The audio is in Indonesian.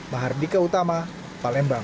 bahar bika utama palembang